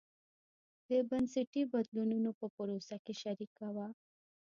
د بنسټي بدلونونو په پروسه کې شریکه وه.